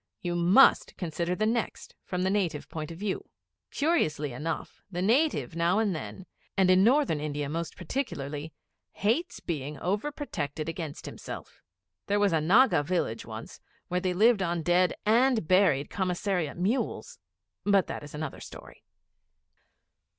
You must consider the next from the native point of view. Curiously enough, the native now and then, and in Northern India more particularly, hates being over protected against himself. There was a Naga Village once, where they lived on dead and buried Commissariat mules.... But that is another story.